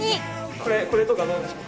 これこれとかどうでしょうか？